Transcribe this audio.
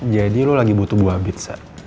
jadi lu lagi butuh buah bit